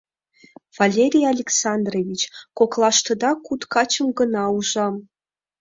— Валерий Александрович, коклаштыда куд качым гына ужам.